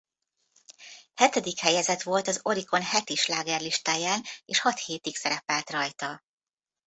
Hetedik helyezett volt az Oricon heti slágerlistáján és hat hétig szerepelt rajta.